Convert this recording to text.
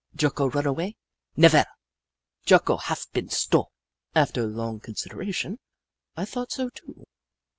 Jocko run away ? Nevaire ! Jocko haf been stole!" After long consideration, I thought so, too.